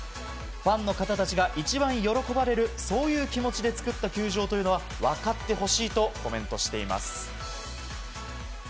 ファンの方たちが一番喜ばれるそういう気持ちで造った球場というのは分かってほしいとコメントしています。